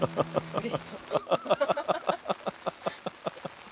うれしそう。